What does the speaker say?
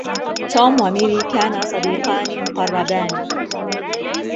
توم وميري كانا صديقان مقربان.